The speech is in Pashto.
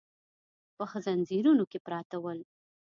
په ځنځیرونو کې پراته ول.